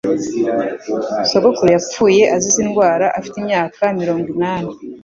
Sogokuru yapfuye azize indwara afite imyaka mirongo inani.